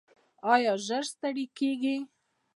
ایا ژر ستړي کیږئ؟